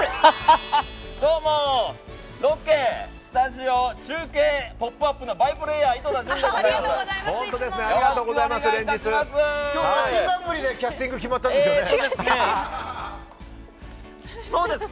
どうもロケ、スタジオ、中継「ポップＵＰ！」のバイプレーヤー、井戸田潤です。